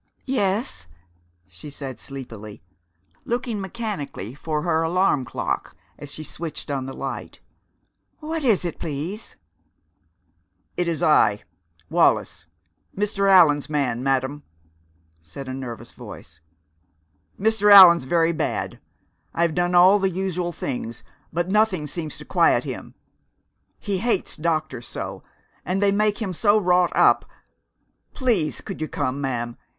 "Yes?" she said sleepily, looking mechanically for her alarm clock as she switched on the light. "What is it, please?" "It's I, Wallis, Mr. Allan's man, Madame," said a nervous voice. "Mr. Allan's very bad. I've done all the usual things, but nothing seems to quiet him. He hates doctors so, and they make him so wrought up please could you come, ma'am?